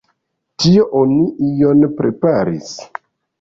Tie oni ion preparis.